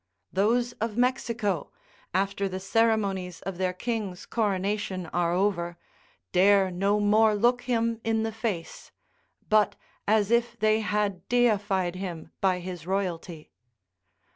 Those of Mexico, after the ceremonies of their king's coronation are over, dare no more look him in the face; but, as if they had deified him by his royalty.